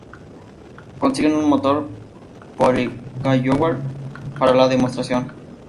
Consiguen un motor "Poole-Galloway" para la demostración.